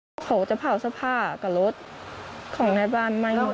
พวกจะเผาสะพาดกับรถของในบ้านมาอยู่